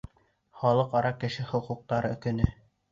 — Халыҡ-ара кеше хоҡуҡтары көнө